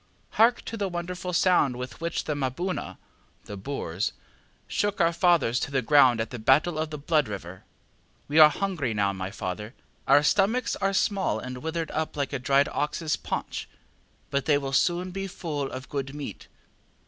ŌĆśHark to the wonderful sound with which the ŌĆ£MaboonaŌĆØ (the Boers) shook our fathers to the ground at the Battle of the Blood River. We are hungry now, my father; our stomachs are small and withered up like a dried oxŌĆÖs paunch, but they will soon be full of good meat.